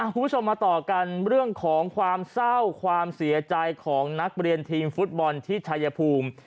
คุณผู้ชมมาต่อกันเรื่องของความเศร้าความเสียใจของนักเรียนทีมฟุตบอลที่ชายภูมิ